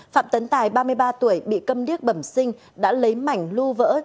phạm tấn tài ba mươi ba tuổi bị cầm điếc bẩm sinh đã lấy mảnh lưu vỡ